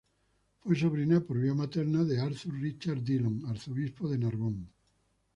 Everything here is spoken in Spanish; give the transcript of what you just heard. Fue sobrina por vía materna de Arthur Richard Dillon, arzobispo de Narbonne.